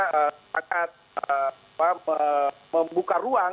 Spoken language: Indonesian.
sepakat membuka ruang